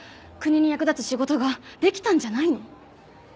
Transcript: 国に役立つ仕事ができたんじゃないの？